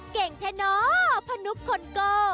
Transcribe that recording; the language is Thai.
เก่งแท้เนาะพนุกคนโก